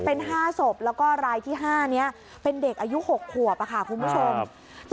เป็น๕ศพแล้วก็รายที่๕นี้เป็นเด็กอายุ๖ขวบค่ะคุณผู้ชม